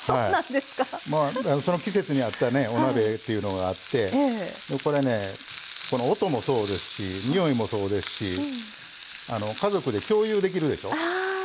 その季節に合ったお鍋っていうのがあってこれ、音もそうですしにおいもそうですし家族で共有できるでしょ。